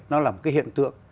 nó là một cái hiện tượng